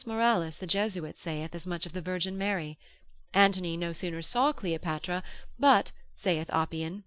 Morales the Jesuit saith as much of the Virgin Mary. Antony no sooner saw Cleopatra, but, saith Appian, lib.